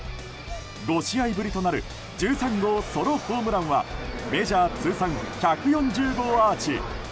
５試合ぶりとなる１３号ソロホームランはメジャー通算１４０号アーチ。